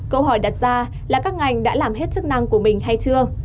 câu hỏi đặt ra là các ngành đã làm hết chức năng của mình hay chưa